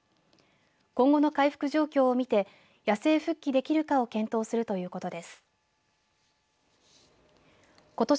今後の回復状況を見て野生復帰できるかを検討するということです。